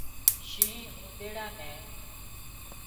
شينهن اُونۮيڙا نين